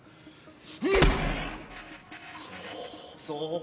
そう。